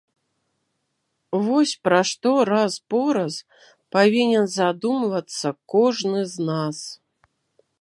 Вось пра што раз-пораз павінен задумвацца кожны з нас.